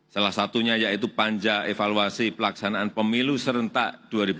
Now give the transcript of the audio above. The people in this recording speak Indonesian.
salah satunya yaitu panja evaluasi pelaksanaan pemilu serentak dua ribu dua puluh